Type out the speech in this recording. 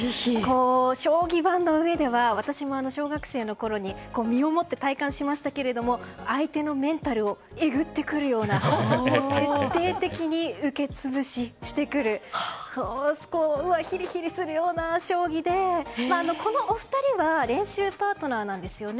将棋盤の上では私も小学生のころ身を持って体感しましたけど相手のメンタルをえぐってくるような徹底的に受け潰ししてくるヒリヒリするような将棋でこのお二人は練習パートナーなんですよね。